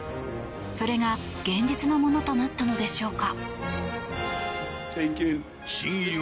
それが現実のものとなったのでしょうか？